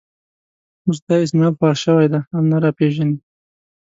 اوس دا اسمعیل خوار شوی، دی هم نه را پېژني.